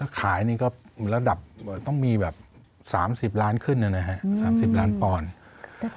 ขายนี่ก็ระดับต้องมีแบบ๓๐ล้านขึ้นนะครับ๓๐ล้านปอนด์